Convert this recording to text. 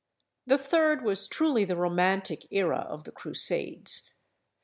The third was truly the romantic era of the Crusades.